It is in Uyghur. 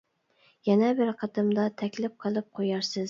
يەنە بىر قېتىمدا تەكلىپ قىلىپ قويارسىز.